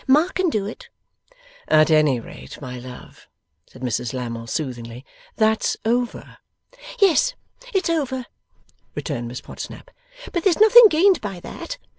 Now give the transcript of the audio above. Ma can do it.' 'At any rate, my love,' said Mrs Lammle, soothingly, 'that's over.' 'Yes, it's over,' returned Miss Podsnap, 'but there's nothing gained by that.